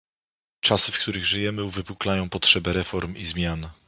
Czasy, w których żyjemy, uwypuklają potrzebę reform i zmian